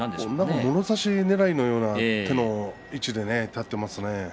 もろ差しねらいのような手の位置で立っていますね。